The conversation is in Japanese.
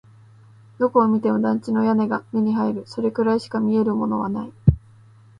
どこを見ても団地の屋根が目に入る。それくらいしか見えるものはない。